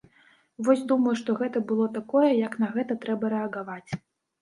Вось думаю, што гэта было такое, як на гэта трэба рэагаваць.